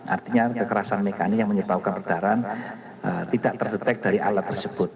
artinya kekerasan mekanik yang menyebabkan perdaran tidak terdetek dari alat tersebut